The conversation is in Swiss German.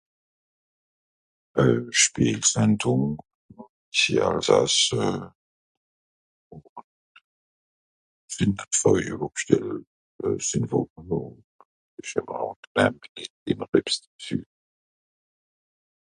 euh Schpeelsandùng Ici Alsace euh ..... (problèmes de micro) ìmmer ebs dàzü